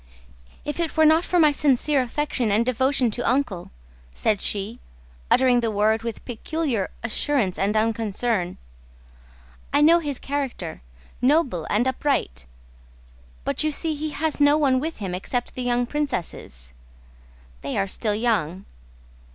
"If it were not for my sincere affection and devotion to Uncle," said she, uttering the word with peculiar assurance and unconcern, "I know his character: noble, upright ... but you see he has no one with him except the young princesses.... They are still young...."